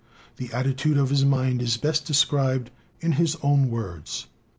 The atti tude of his mind is best described in his own words.